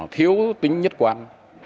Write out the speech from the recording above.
khiếu tính nhất quan